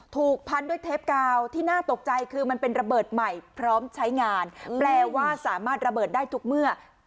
ถูกพันด้วยเทปกาวที่น่าตกใจคือมันเป็นระเบิดใหม่พร้อมใช้งานแปลว่าสามารถระเบิดได้ทุกเมื่อ